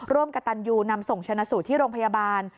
ร่วมกับตัญญูนำส่งฉนะสู่ที่โรงพยาบาล